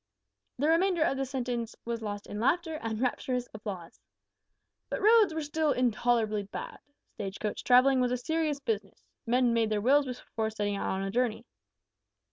(The remainder of the sentence was lost in laughter and rapturous applause.) "But roads were still intolerably bad. Stage coach travelling was a serious business. Men made their wills before setting out on a journey.